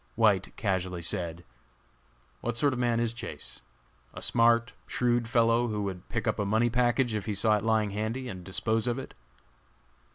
White casually said: "What sort of a man is Chase? A smart, shrewd fellow who would pick up a money package if he saw it lying handy, and dispose of it?"